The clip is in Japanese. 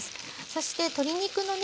そして鶏肉のね